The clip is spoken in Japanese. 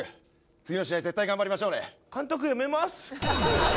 次の試合絶対頑張りましょうね監督やめます